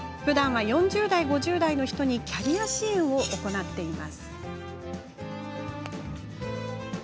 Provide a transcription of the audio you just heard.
ふだんは４０代、５０代の人にキャリア支援を行っています。